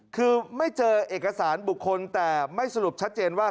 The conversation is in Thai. คือไม่เจอเอกสารบุคคลแต่ไม่สรุปชัดเจนว่า